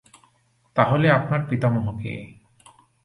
তাহলে আপনার পিতামহ কে?